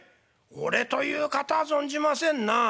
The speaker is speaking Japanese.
おれという方は存じませんなあ。